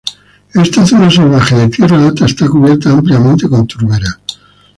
Esta zona salvaje de tierras altas está cubierta ampliamente con turbera.